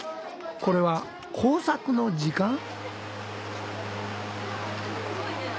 これは工作の時間？